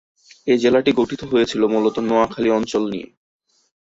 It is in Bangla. এ জেলাটি গঠিত হয়েছিল মূলতঃ নোয়াখালী অঞ্চল নিয়ে।